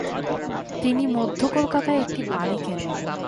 তিনি মধ্য কলকাতায় একটি বাড়ি কেনেন।